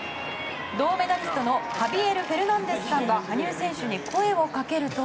銅メダリストのハビエル・フェルナンデスさんが羽生選手に声をかけると。